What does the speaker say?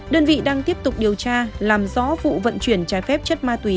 đơn vị đang tiếp tục điều tra làm rõ vụ vận chuyển trái phép chất ma túy